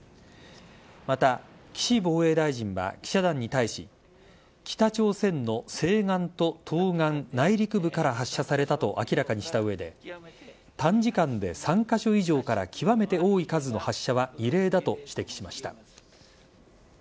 また、岸防衛大臣は記者団に対し北朝鮮の西岸と東岸・内陸部から発射されたと明らかにした上で短時間で３カ所以上から極めて多い数の発射は異例だと指摘しました。